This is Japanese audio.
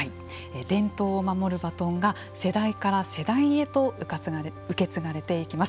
伝統を守るバトンが世代から世代へと受け継がれていきます。